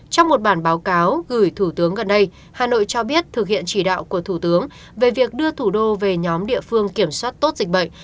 trong một bản báo cáo gửi thủ tướng gần đây hà nội cho biết thực hiện chỉ đạo của thủ tướng về việc đưa thủ đô về nhóm địa phương kiểm soát tốt dịch bệnh